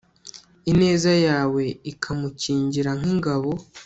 ineza yawe ikamukingira nk'ingabo